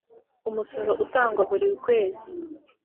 umusoro utangwa burikwezi.